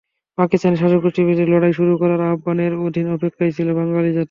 পাকিস্তানি শাসকগোষ্ঠীর বিরুদ্ধে লড়াই শুরু করার আহ্বানের অধীর অপেক্ষায় ছিল বাঙালি জাতি।